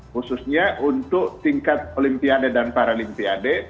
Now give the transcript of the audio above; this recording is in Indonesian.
khususnya untuk tingkat olimpiade dan paralimpiade